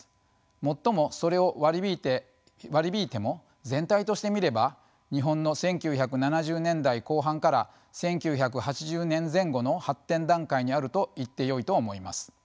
もっともそれを割り引いても全体として見れば日本の１９７０年代後半から１９８０年前後の発展段階にあると言ってよいと思います。